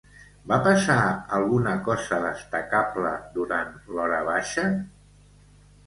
Va passar alguna cosa destacable durant l'horabaixa?